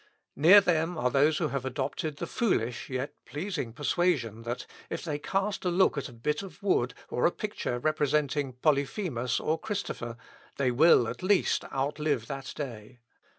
Near them are those who have adopted the foolish, yet pleasing persuasion, that if they cast a look at a bit of wood or a picture representing Polyphemus or Christopher, they will, at least, outlive that day."